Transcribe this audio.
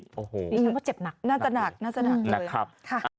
ฉันว่าเจ็บหนักน่าจะหนักน่าจะหนักเลยครับค่ะ